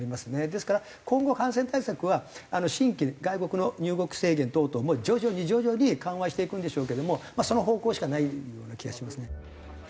ですから今後感染対策は新規に外国の入国制限等々も徐々に徐々に緩和していくんでしょうけどもまあその方向しかないような気がしますね。